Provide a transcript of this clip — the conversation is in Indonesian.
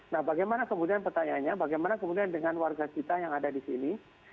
nah bagaimana kemudian pertanyaannya bagaimana kemudian dengan warga kita yang ada di sini